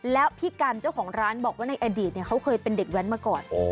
แล้วพี่กันเจ้าของร้านบอกว่าในอดีตเขาเคยเป็นเด็กแว้นมาก่อน